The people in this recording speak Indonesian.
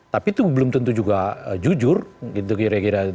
tapi itu belum tentu juga jujur gitu kira kira